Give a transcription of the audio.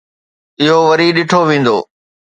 اهو وري ڏٺو ويندو.